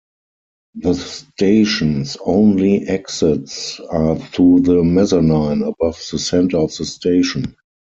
The station's only exits are through the mezzanine above the center of the station.